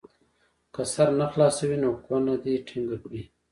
که سر نه خلاصوي نو کونه دې ټینګه کړي.